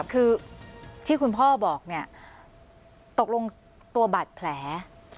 คือที่คุณพ่อบอกเนี่ยตกลงตัวบาดแผล